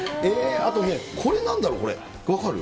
あとね、これなんだろう、これ、分かる？